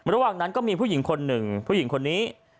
ระหว่างนั้นก็มีผู้หญิงคนหนึ่งผู้หญิงคนนี้